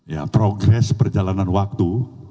ya progres perjalanan waktu